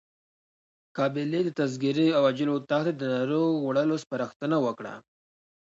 قابلې د تذکرې او عاجل اتاق ته د ناروغ وړلو سپارښتنه وکړه.